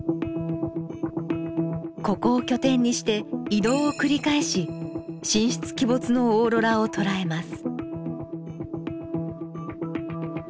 ここを拠点にして移動を繰り返し神出鬼没のオーロラを捉えます。